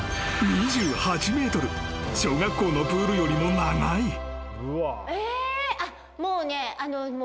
［小学校のプールよりも長い］